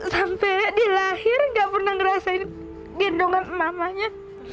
sampai di lahir gak pernah ngerasain gendongan mamanya